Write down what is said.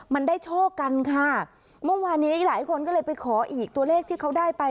มันได้โชคกันค่ะเมื่อวานนี้หลายคนก็เลยไปขออีกตัวเลขที่เขาได้ไป